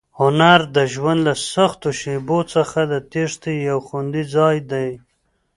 هنر د ژوند له سختو شېبو څخه د تېښتې یو خوندي ځای دی.